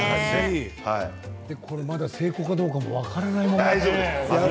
まだ成功かどうかも分からない。